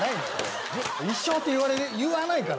一緒って言わないから。